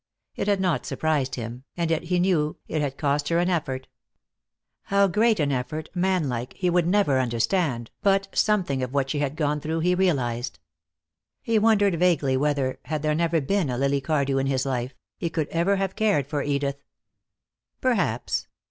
It had not surprised him, and yet he knew it had cost her an effort. How great an effort, man like, he would never understand, but something of what she had gone through he realized. He wondered vaguely whether, had there never been a Lily Cardew in his life, he could ever have cared for Edith. Perhaps.